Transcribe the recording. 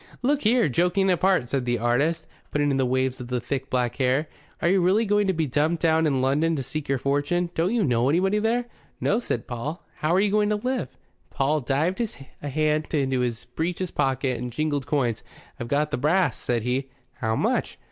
"Look here, joking apart," said the artist, putting in the waves of the thick black hair, "are you really going to be dumped down in London to seek your fortune? Don't you know anybody there?" "No," said Paul. "How are you going to live?" Paul dived a hand into his breeches pocket and jingled coins. "I've got th' brass," said he. "How much?"